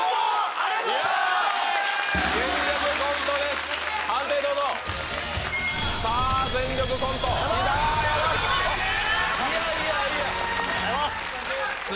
ありがとうございます